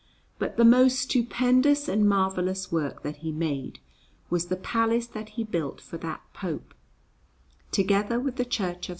But the most stupendous and marvellous work that he made was the palace that he built for that Pope, together with the Church of S.